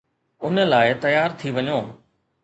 ان لاءِ تيار ٿي وڃو.